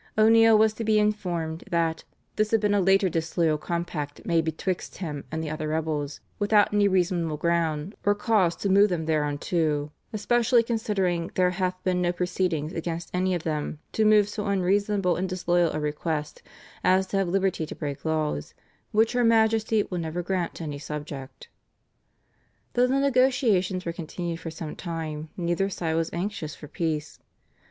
O'Neill was to be informed that "this had been a later disloyal compact made betwixt him and the other rebels without any reasonable ground or cause to move them thereunto, especially considering there hath been no proceeding against any of them to move so unreasonable and disloyal a request as to have liberty to break laws, which her Majesty will never grant to any subject." Though the negotiations were continued for some time neither side was anxious for peace.